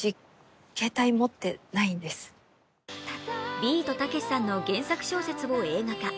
ビートたけしさんの原作小説を映画化。